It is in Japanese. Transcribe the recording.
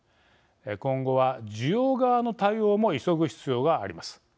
今後は需要側の対応も急ぐ必要があります。